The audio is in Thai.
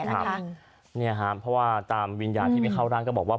เพราะว่าตามวิญญาณที่ไม่เข้าร่างก็บอกว่า